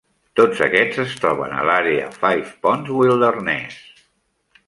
Tots aquests es troben a l'àrea Five Ponds Wilderness.